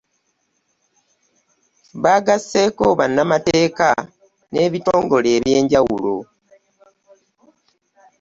Bagasseeko bannamateeka n'ebitongole ebyenjawulo